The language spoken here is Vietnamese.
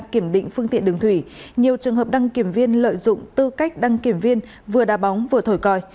kiểm định phương tiện đường thủy nhiều trường hợp đăng kiểm viên lợi dụng tư cách đăng kiểm viên vừa đa bóng vừa thổi còi